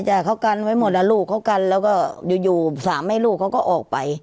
แต่เขากันไว้หมดลูกเขากันแล้วก็อยู่สามให้ลูกเขาก็ออกไป